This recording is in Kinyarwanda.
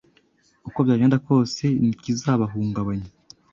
uko byagenda kose ntikizabahungabanya